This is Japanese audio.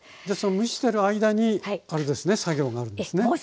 でその蒸してる間に作業があるんですね。